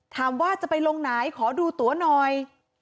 ถามว่าจะไปลงไหนขอดูตัวหน่อย